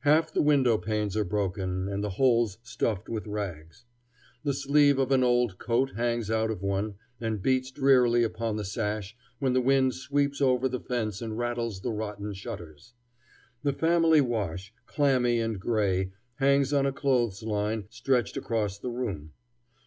Half the window panes are broken, and the holes stuffed with rags. The sleeve of an old coat hangs out of one, and beats drearily upon the sash when the wind sweeps over the fence and rattles the rotten shutters. The family wash, clammy and gray, hangs on a clothes line stretched across the room.